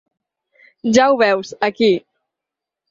Ja ho veus, aquí.